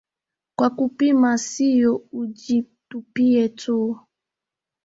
"Kwa kupima, sio ujitupie tu"